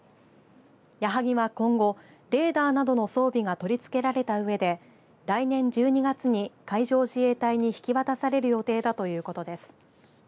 やはぎは今後、レーダーなどの装備が取り付けられたうえで来年１２月に海上自衛隊に引き渡される予定だということです。